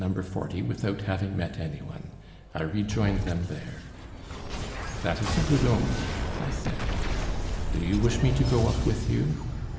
40 without having met any one. I rejoined them there. "That is a good omen," I said; "do you wish me to go up with you?"